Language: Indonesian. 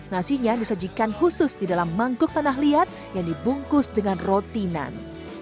nasinya disajikan khusus di dalam mangkuk tanah liat yang dibungkus dengan rotinan